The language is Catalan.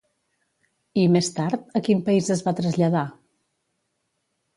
I, més tard, a quin país es va traslladar?